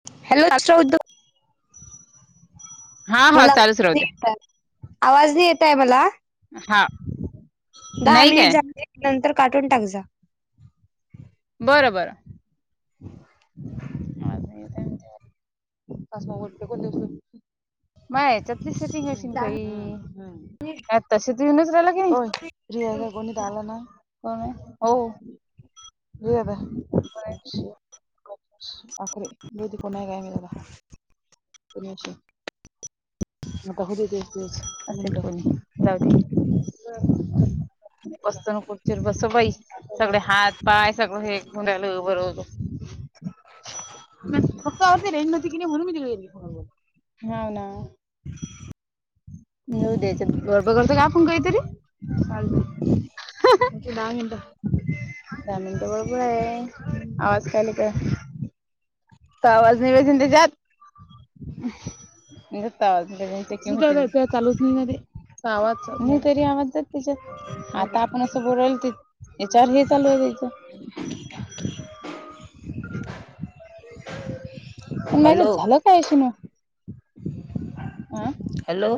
[inaudible] हा हा चालूच राहू दे आवाज नाही येतय मला हा दहा नाही मिनिट काय झाले नंतर कार्टून टाक जा. बर बर. पाच मिनिट बोलून कट करून द्याच. माया याच्यातली सेटिंग अशीन बाई त्यात तसंच, येऊन राहिलं कनी एक मिनिट झाल ना. को हो बता [unintelligible] [unintelligible] तुमीच या, आता होवू दे की एक दिवस आणखीन एकदा करून बघुया, चालतय की [inaudible] बसताना ना खुर्चीवर बसू बाई! सगळे हात पाय सगळं हे धरून राहीलं बर होत. [unintelligible] नाही म्हणून मी तिकडे गेली होती हा ना निवू द्यायचंत बघालतो आपण काय तरी दहा मिनिट. दहा मिनट बरोबर आहे. आवाज कमी कर आवाज नाही येत असेल त्याच्यात चालूच नाही व्हईना ते मी तरी आवाज तिच्यात [unintelligible] आता आपण असं बोलायली तर याच्यावर हे चालू हाय यांचं. हो [inaudible] पण माझ्यात हॅलो झालं काय आयशीन? अ हॅलो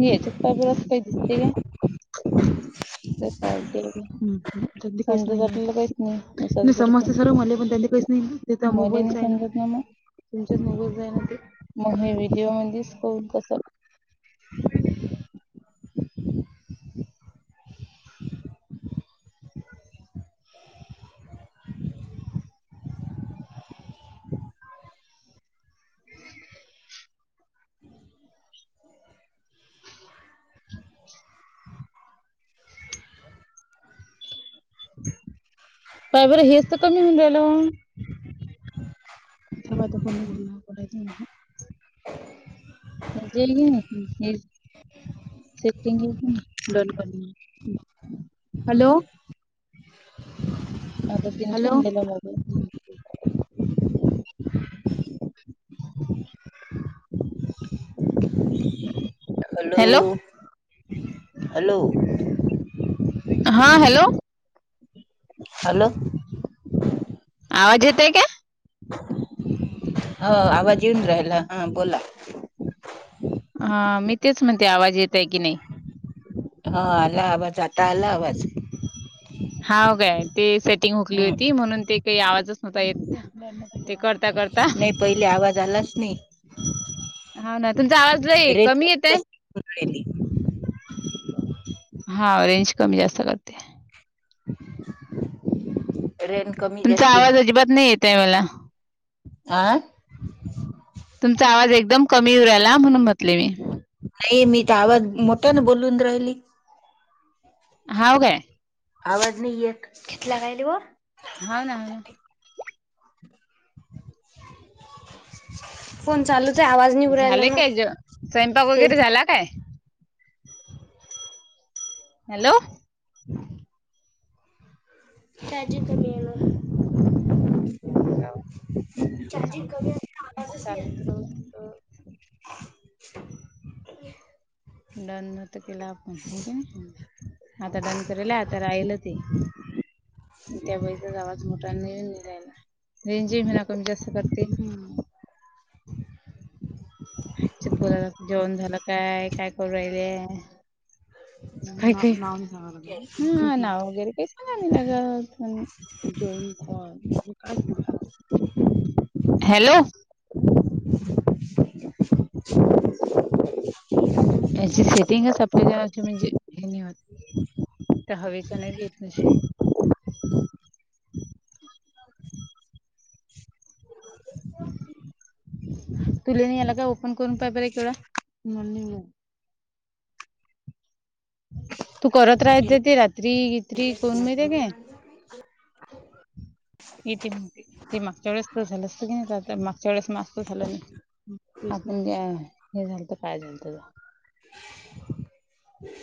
हे चपाकळी सारख काय दिसतय का? काहीच नाही समजते सर्व म्हले पण त्यां काहीच नाही तिथ मोबाईलन समजत ना मग तुमच्या मोबाईललाच जायना ते मग हे व्हिडिओ म्हणजेच करून कस [unintelligible] ह. पाय बरं हेच तर कमी होऊन रहायच. जवा तो पण गोल ना काय नाही म्हणला. मग जेवली नसशील नीट हॅलो. हॅलो. ह [inaudible] हम् [inaudible] हॅलो.. [inaudible] हॅलो... हा हॅलो! हॅलो! आवाज येतय काय? ह आवाज येऊन राहिला हा बोला हा मी तेच म्हणते आवाज येतय की नाही हा आला आवाज आता आला आवाज आहे. [inaudible] हा काय ते सेटिंग हुकली होती म्हणून ते काही आवाजच नव्हता येत ते कर नाही पहिले आवाज आलाच नाही हा ना तुमचा आवाज नाही रेंज कमी येतय जास्त होऊन राहिली हा रेंज कमी जास्त लागते. रेंज कमी तुमचा जास्ती आवाज अजिबात नाही येत आहे मला आं तुमचा आवाज एकदम कमी येवू राहीला, म्हणून म्हटले मी मोठ्यान बोलून राहिली. हाव काय? आवाज नाही येत किथला राहिलेवो हा ना ह ना फोन चालू झाले काय ज स्वयंपाक वगैरे झाला काय? हॅलो! ! [unintelligible] कमी येण चार्जिंग कमी अस आवाजच ये चालू ना डन तर केला आपण की नाही आता डन करेला आता राहिल ते त्या वेळीचाच आवाज मोठा नाही निघायला रिमझिम [unintelligible] जास्त करते बोलायला जेवण झालं काय काय करून राहीले नाव वगैरे काही सांगाय नाही लागत. जॉईन अ असतील तेव्हा हॅलो! ! [unintelligible] याची सेटिंगच आपल्या जणाची म्हणजे हेत त्या हवेच्या नाही येत निशी [inaudible] तुलानी याला काय ओपन करून पाहि बरे तेवढं मला नाही येत [inaudible] तू करत राहते ते रात्री इत्री कोण मिळते ते ते ते मागच्या वेळेस तर झालं असत की नाही मागच्या वेळेस मात्र झालं नाही आपण हे झालत काय झालत [inaudible]